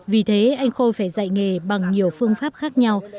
vì thế anh khôi phải dạy nghề bằng nhiều phương pháp khác nhau